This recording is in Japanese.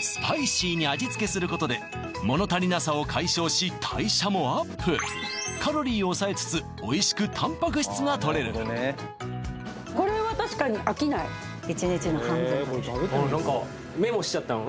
スパイシーに味付けすることで物足りなさを解消し代謝もアップカロリーを抑えつつおいしくたんぱく質がとれる１日の半分とれる